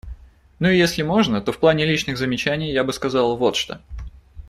Ну и если можно, то в плане личных замечаний я бы сказал вот что.